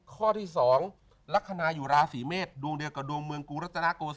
ข้อที่๒ลักษณะอยู่ราศีเมษดวงเดียวกับดวงเมืองกูรัตนาโกศิ